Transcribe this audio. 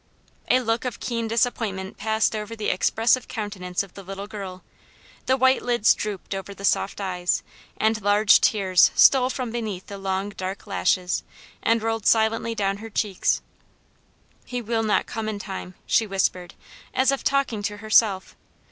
A look of keen disappointment passed over the expressive countenance of the little girl the white lids drooped over the soft eyes, and large tears stole from beneath the long dark lashes, and rolled silently down her cheeks. "He will not come in time," she whispered, as if talking to herself.